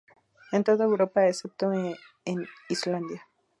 En toda Europa excepto en Islandia.